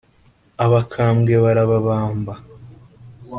abakambwe barababamba